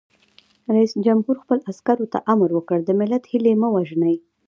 رئیس جمهور خپلو عسکرو ته امر وکړ؛ د ملت هیلې مه وژنئ!